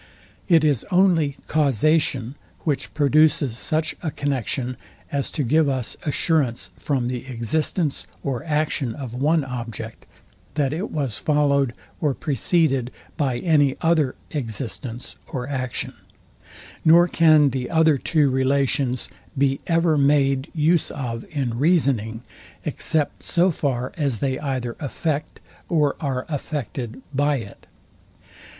It is only causation, which produces such a connexion, as to give us assurance from the existence or action of one object, that it was followed or preceded by any other existence or action; nor can the other two relations be ever made use of in reasoning, except so far as they either affect or are affected by it.